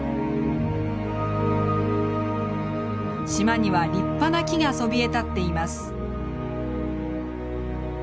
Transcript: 島には立派な木がそびえ立っています。